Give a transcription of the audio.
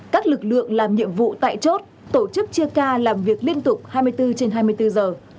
các lực lượng làm nhiệm vụ tại chốt tổ chức chia ca làm việc liên tục hai mươi bốn trên hai mươi bốn giờ